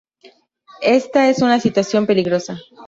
Esta es una situación peligrosa.